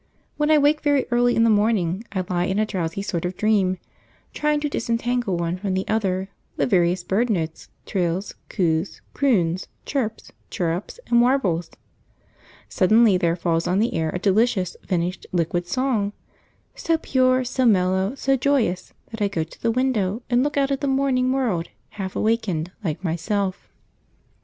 When I wake very early in the morning I lie in a drowsy sort of dream, trying to disentangle, one from the other, the various bird notes, trills, coos, croons, chirps, chirrups, and warbles. Suddenly there falls on the air a delicious, liquid, finished song; so pure, so mellow, so joyous, that I go to the window and look out at the morning world, half awakened, like myself.